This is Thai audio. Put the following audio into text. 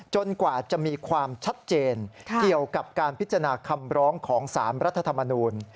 กว่าจะมีความชัดเจนเกี่ยวกับการพิจารณาคำร้องของ๓รัฐธรรมนูล